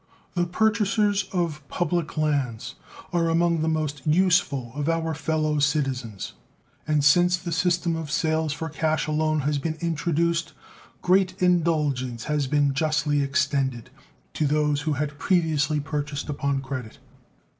The purchasers of public lands are among the most useful of our fellow citizens, and since the system of sales for cash alone has been introduced great indulgence has been justly extended to those who had previously purchased upon credit.